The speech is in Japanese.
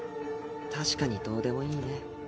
確かにどうでもいいね。